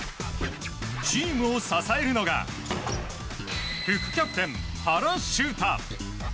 チームを支えるのが副キャプテン、原修太。